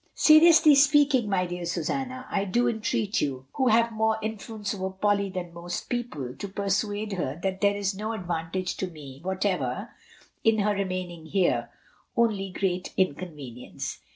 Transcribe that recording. Seriously speaking, my dear Susanna, I do entreat you, who have more influence over Polly than most people, to persuade her that there is no advantage to me whatever in her remaining here, only great incon venience.